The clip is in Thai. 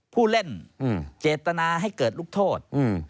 ผู้เล่นเจตนาให้เกิดลูกโทษ